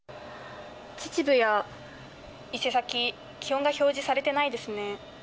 秩父や伊勢崎、気温が表示されてないですね。